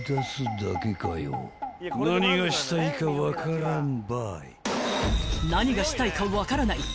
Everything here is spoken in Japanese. ［何がしたいか分からんばい］